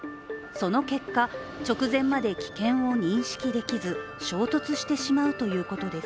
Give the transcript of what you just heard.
その結果、直前まで危険を認識できず衝突してしまうということです。